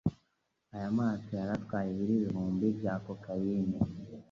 Aya mato yari atwaye ibiro ibihumbi bya kokayine,